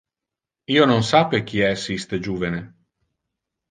Io non sape qui es iste juvene.